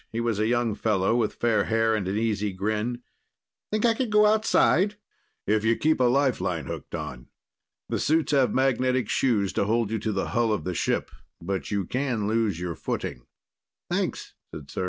He was a young fellow, with fair hair and an easy grin. "Think I could go outside?" "If you keep a lifeline hooked on. The suits have magnetic shoes to hold you to the hull of the ship, but you can lose your footing." "Thanks," said Serj.